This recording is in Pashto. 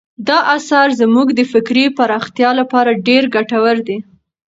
دا اثر زموږ د فکري پراختیا لپاره ډېر ګټور دی.